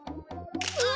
うわ！